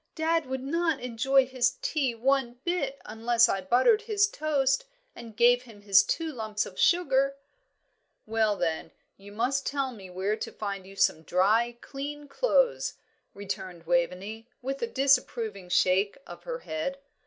"Dad would not enjoy his tea one bit unless I buttered his toast and gave him his two lumps of sugar." "Well, then, you must tell me where to find you some dry, clean clothes," returned Waveney, with a disapproving shake of her head.